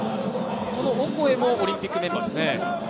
オコエもオリンピックメンバーですね。